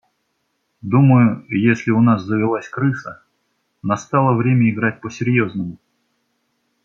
Думаю, если у нас завелась крыса, настало время играть по-серьезному.